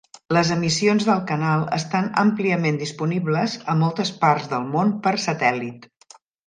Les emissions del canal estan àmpliament disponibles a moltes parts del món per satèl·lit.